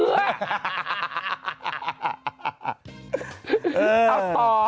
เอาต่อ